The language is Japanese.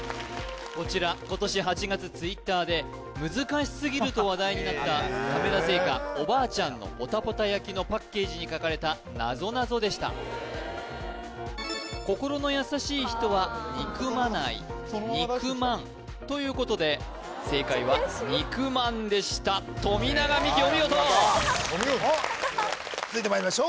こちら今年８月Ｔｗｉｔｔｅｒで難しすぎると話題になった亀田製菓おばあちゃんのぽたぽた焼のパッケージに書かれたなぞなぞでした心の優しい人は憎まない憎まんということで正解は肉まんでした富永美樹